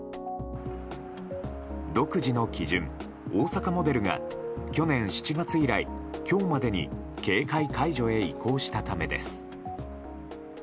独自の基準、大阪モデルが去年７月以来、今日までに警戒解除に移行したためです。